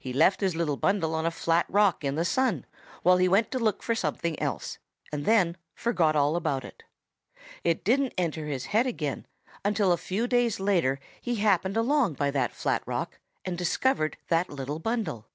He left his little bundle on a flat rock in the sun while he went to look for something else and then forgot all about it. It didn't enter his head again until a few days later he happened along by that flat rock and discovered that little bundle.